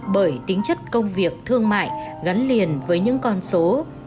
bởi tính chất công việc thương mại gắn liền với những con số